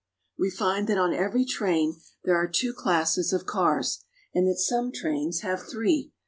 We find that on every train there are two classes of cars, and that some trains have three.